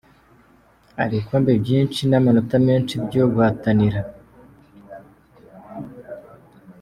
Hari ibikombe byinshi n'amanota menshi byo guhatanira".